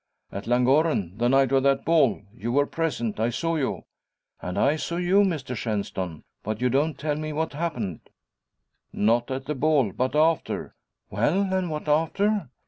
"At Llangorren, the night of that hall. You were present; I saw you." "And I saw you, Mr Shenstone. But you don't tell me what happened." "Not at the hall, but after." "Well, and what after?"